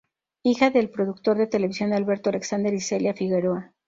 Hija del productor de televisión Alberto Alexander y Celia Figueroa.